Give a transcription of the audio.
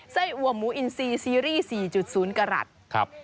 ไส้อัวหมูอินซีซีรีส์๔๐กรัฐ